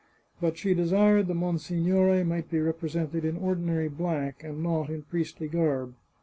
But she desired the monsignore might be represented in ordinary black, and not in priestly garb.